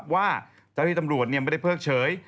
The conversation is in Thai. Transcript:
ว่าเจ้าที่ตำรวจไม่ได้เพิกเฉย